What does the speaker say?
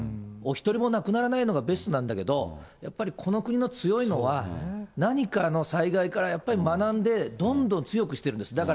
お一人も亡くならないのがベストなんだけど、やっぱりこの国の強いのは、何か、災害からやっぱり学んで、どんどん強くしてるんです。